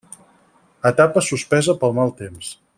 Etapa suspesa pel mal temps.